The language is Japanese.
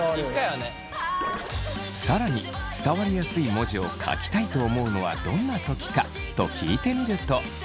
更に伝わりやすい文字を書きたいと思うのはどんな時か？と聞いてみると。